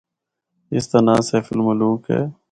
اس دا ناں سیف الملوک اے۔